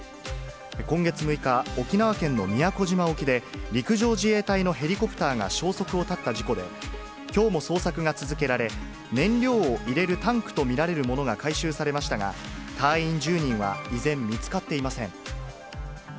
今月６日、沖縄県の宮古島沖で、陸上自衛隊のヘリコプターが消息を絶った事故で、きょうも捜索が続けられ、燃料を入れるタンクと見られるものが回収されましたが、隊員１０人は依然、見つかっていません。